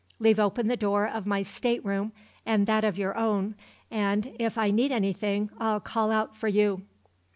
Leave open the door of my state room, and that of your own, and if I need anything I'll call out for you."